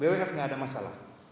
bwf tidak ada masalah